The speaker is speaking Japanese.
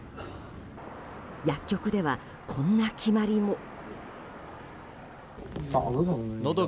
薬局ではこんな決まりも。